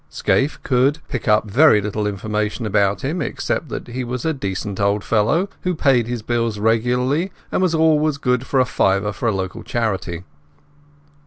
Scaife could pick up very little information about him, except that he was a decent old fellow, who paid his bills regularly, and was always good for a fiver for a local charity.